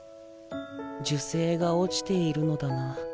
樹勢が落ちているのだな。